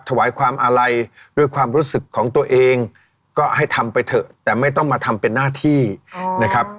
ถวายความอาลัยด้วยความรู้สึกของตัวเองก็ให้ทำไปเถอะแต่ไม่ต้องมาทำเป็นหน้าที่นะครับ